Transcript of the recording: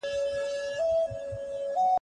ښاري ژوند هم سته.